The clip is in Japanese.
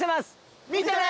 見てね！